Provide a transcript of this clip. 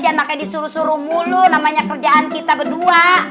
ya makanya disuruh suruh mulu namanya kerjaan kita berdua